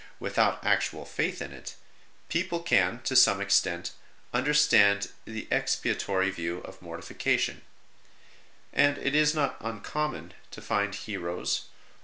With out actual faith in it, people can to some extent understand the expiatory view of mortification; and it is not uncommon to find heroes or 6 82 ST.